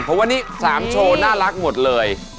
แต่ว่านี่๓โชว์น่ารักหมดเลย